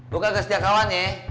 bukan kesejahteraan ya